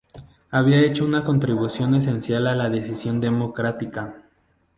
Había hecho una contribución esencial a la decisión democrática.